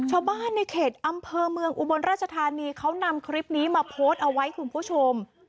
ชาวบ้านในเขตอำเภอเมืองอุบลราชธานีเขานำคลิปนี้มาโพสต์เอาไว้คุณผู้ชม